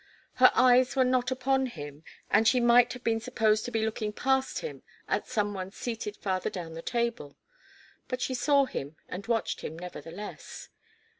Her eyes were not upon him, and she might have been supposed to be looking past him at some one seated farther down the table, but she saw him and watched him, nevertheless.